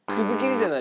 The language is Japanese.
じゃない？